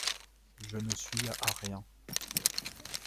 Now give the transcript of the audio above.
Je ne suis à rien…